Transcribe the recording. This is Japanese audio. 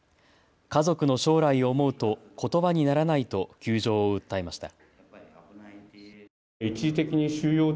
家族の将来を思うとことばにならないと窮状を訴えました。